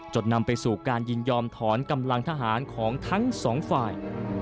จนนำไปสู่การยินยอมถอนกำลังทหารของทั้งสองฝ่าย